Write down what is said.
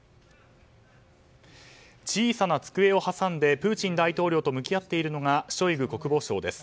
小さな机を挟んでプーチン大統領と向き合っているのがショイグ国防相です。